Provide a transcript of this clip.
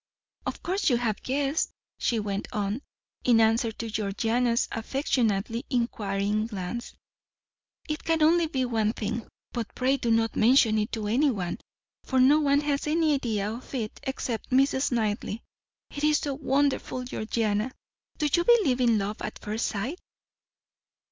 "Of course you have guessed," she went on, in answer to Georgiana's affectionately inquiring glance; "it can only be one thing: but pray do not mention it to anyone, for no one has any idea of it except Mrs. Knightley. It is so wonderful! Georgiana, do you believe in love at first sight?"